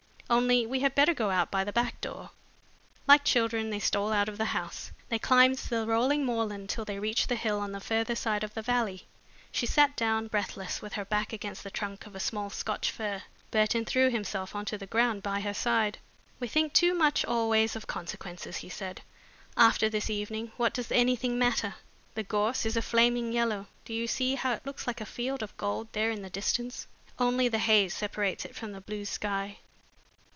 Only we had better go out by the back door." Like children they stole out of the house. They climbed the rolling moorland till they reached the hill on the further side of the valley. She sat down, breathless, with her back against the trunk of a small Scotch fir. Burton threw himself on to the ground by her side. "We think too much always of consequences," he said "After this evening, what does anything matter? The gorse is a flaming yellow; do you see how it looks like a field of gold there in the distance? Only the haze separates it from the blue sky.